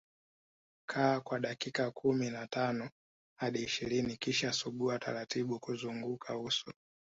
Kaa kwa dakika kumi na tano hadi ishirini kisha sugua taratibu kuzunguka uso